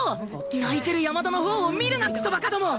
泣いてる山田のほうを見るなクソバカども！